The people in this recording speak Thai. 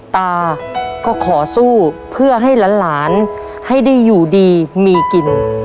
ตาก็ขอสู้เพื่อให้หลานให้ได้อยู่ดีมีกิน